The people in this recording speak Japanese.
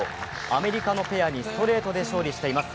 アメリカのペアにストレートで勝利しています。